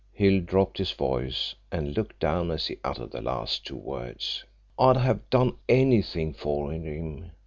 Hill dropped his voice and looked down as he uttered the last two words. "I'd have done anything for him.